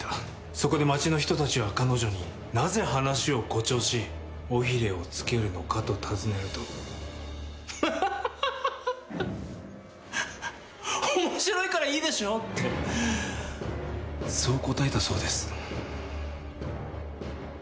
そこで町の人たちが彼女に「なぜ話を誇張し尾ひれを付けるのか」と尋ねると「ハハハハ！面白いからいいでしょ」ってそう答えたそうです。